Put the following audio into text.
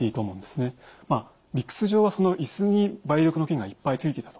まあ理屈上は椅子に梅毒の菌がいっぱいついていたと。